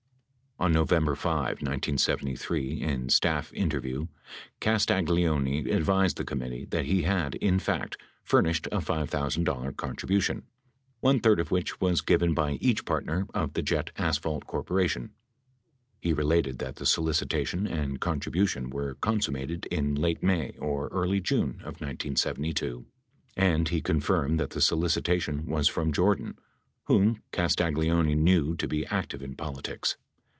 560 On November 5, 1973, in staff interview, Castagleoni advised the committee that he had, in fact, furnished a $5,000 contribution, one third of which was given by each partner of the Jet Asphalt Corp. He related that the solicitation and contribution were consummated in late May or early J une of 1972, and he confirmed that the solicitation was from Jordan, whom Castagleoni knew to be active in politics.